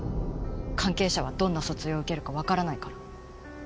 関係者はどんな訴追を受けるかわからないから。